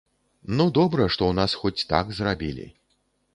Ну, добра, што ў нас хоць так зрабілі.